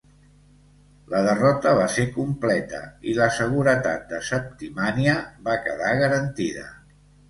La derrota va ser completa i la seguretat de Septimània va quedar garantida.